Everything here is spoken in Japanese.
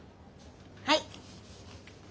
はい。